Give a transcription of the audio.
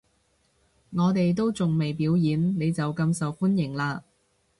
我哋都仲未表演，你就咁受歡迎喇